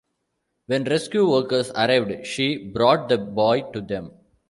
When rescue workers arrived she brought the boy to them.